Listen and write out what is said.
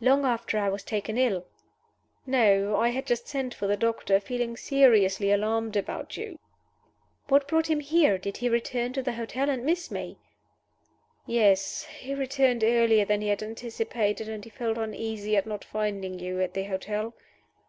"Long after I was taken ill?" "No. I had just sent for the doctor feeling seriously alarmed about you." "What brought him here? Did he return to the hotel and miss me?" "Yes. He returned earlier than he had anticipated, and he felt uneasy at not finding you at the hotel."